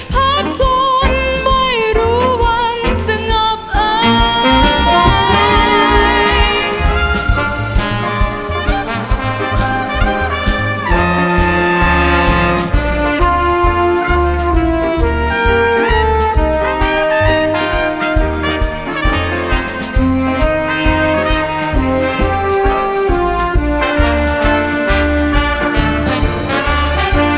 พักจนไม่รู้วันสงบอาย